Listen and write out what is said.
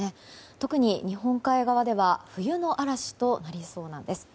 特に日本海側では冬の嵐となりそうなんです。